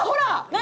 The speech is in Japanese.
何？